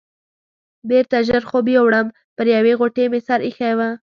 بېرته ژر خوب یووړم، پر یوې غوټې مې سر ایښی و.